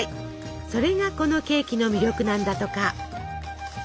それがこのケーキの魅力なんだとか。